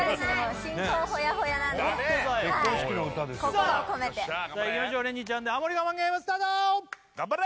心を込めてさあいきましょうれにちゃんでハモリ我慢ゲームスタート頑張れ！